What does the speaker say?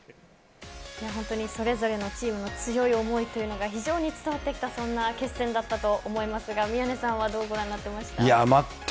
それぞれのチームの強い思いというのが非常に伝わってきた決戦だったと思いますが宮根さんはどうご覧になっていました？